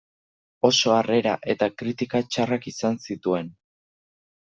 Oso harrera eta kritika txarrak izan zituen.